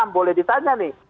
boleh ditanya nih